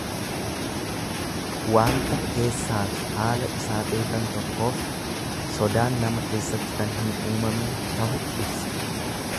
Waanta keessaafi haala isaa beekan tokkoof sodaan nama keessatti kan hin uumamne tahu ibsa.